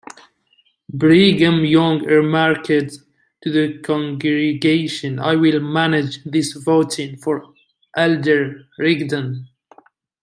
Brigham Young remarked to the congregation: 'I will manage this voting for Elder Rigdon.